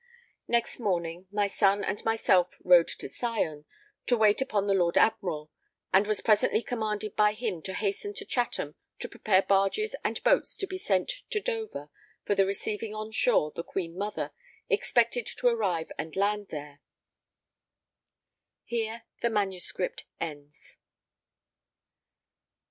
Next morning, my son and myself rode to Sion, to wait upon the Lord Admiral, and was presently commanded by him to hasten to Chatham to prepare barges and boats to be sent to Dover for the receiving on shore the Queen Mother, expected to arrive and land there (_Here the manuscript ends.